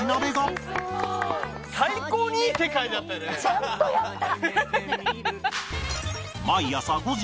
ちゃんとやった！